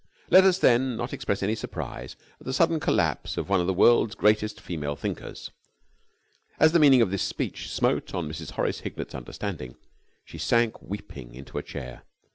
Let us then not express any surprise at the sudden collapse of one of the world's greatest female thinkers. As the meaning of this speech smote on Mrs. Horace Hignett's understanding, she sank weeping into a chair.